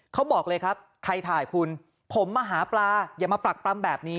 เขาบอกเลยครับใครถ่ายคุณผมมาหาปลาอย่ามาปรักปรำแบบนี้